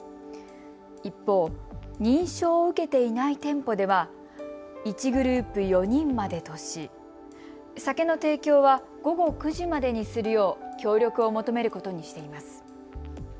一方、認証を受けていない店舗では１グループ４人までとし、酒の提供は午後９時までにするよう協力を求めることにしています。